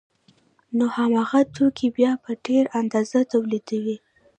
نو هماغه توکي بیا په ډېره اندازه تولیدوي